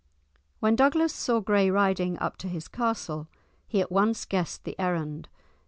When Douglas saw Gray riding up to his castle, he at once guessed the errand.